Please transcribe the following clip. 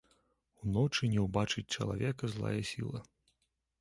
Уночы не ўбачыць чалавека злая сіла.